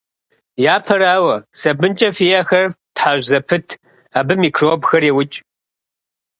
Япэрауэ, сабынкӀэ фи Ӏэхэр фтхьэщӀ зэпыт, абы микробхэр еукӀ.